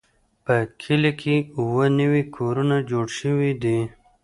په کلي کې اووه نوي کورونه جوړ شوي دي.